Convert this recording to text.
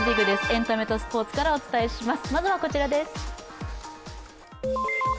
エンタメとスポーツからお伝えします。